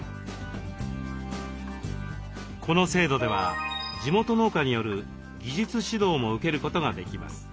この制度では地元農家による技術指導も受けることができます。